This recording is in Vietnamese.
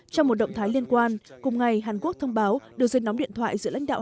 trong một động thái liên quan cùng ngày hàn quốc thông báo đường dây nóng điện thoại giữa lãnh đạo